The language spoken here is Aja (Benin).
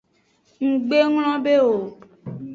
Nggbe nglongbe o.